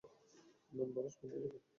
Numbers, বন্ধ করো।